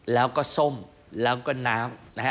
แล้วก็ส้มแล้วก็น้ำนะฮะ